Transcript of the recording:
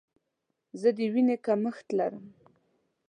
زه د ویني کمښت لرم.